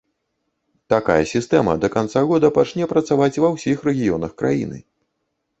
Такая сістэма да канца года пачне працаваць ва ўсіх рэгіёнах краіны.